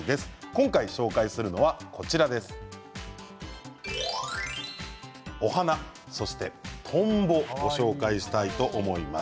今回、紹介するのはお花そしてトンボをご紹介したいと思います。